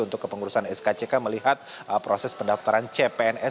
untuk kepengurusan skck melihat proses pendaftaran cpns